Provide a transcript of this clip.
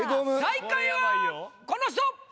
最下位はこの人！